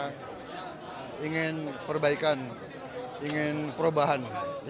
saya ingin perbaikan ingin perubahan